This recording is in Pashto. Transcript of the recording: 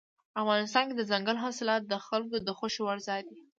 افغانستان کې دځنګل حاصلات د خلکو د خوښې وړ ځای دی.